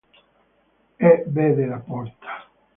E vede la porta.